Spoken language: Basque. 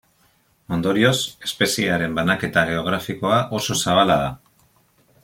Ondorioz, espeziearen banaketa geografikoa oso zabala da.